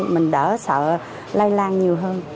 mình đỡ sợ lây lan nhiều hơn